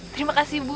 terima kasih bu